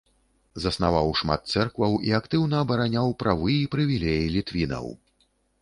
Заснаваў шмат цэркваў і актыўна абараняў правы і прывілеі літвінаў.